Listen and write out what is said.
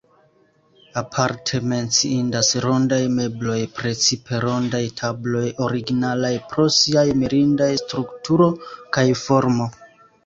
Aparte menciindas rondaj mebloj, precipe rondaj tabloj, originalaj pro siaj mirindaj strukturo kaj formo.